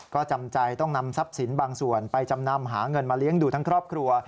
ก็จำใจต้องนำทรัพย์สินบางส่วนไปจำนำหาเงินมาเลี้ยงดูทั้งครอบครัว